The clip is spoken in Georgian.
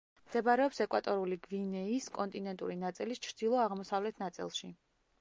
მდებარეობს ეკვატორული გვინეის კონტინენტური ნაწილის ჩრდილო-აღმოსავლეთ ნაწილში.